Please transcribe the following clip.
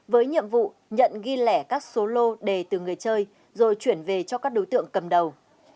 với nhiệm vụ nhận ghi lẻ các số lô đề từ người chơi rồi chuyển về cho các đối tượng cầm đầu